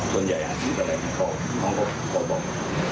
ส่วนใหญ่อาชีพอะไรน้องบอก